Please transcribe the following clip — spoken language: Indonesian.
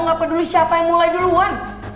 gue gak peduli siapa yang mulai duluan